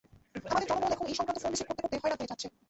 আমাদের জনবল এখন এ-সংক্রান্ত ফোন রিসিভ করতে করতে হয়রান হয়ে যাচ্ছে।